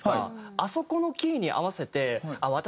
あそこのキーに合わせて私